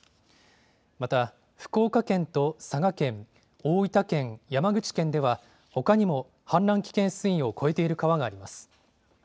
また、福岡県と佐賀県、大分県、山口県では、ほかにも氾濫危険水位を超えている川があります。